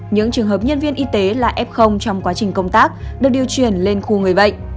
những trường hợp nhân viên y tế là f trong quá trình công tác được điều chuyển lên khu người bệnh